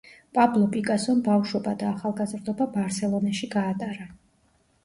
პაბლო პიკასომ ბავშვობა და ახალგაზრდობა ბარსელონაში გაატარა.